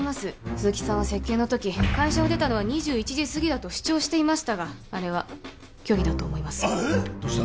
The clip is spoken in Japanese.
鈴木さんは接見の時会社を出たのは２１時すぎだと主張していましたがあれは虚偽だと思いますどうした？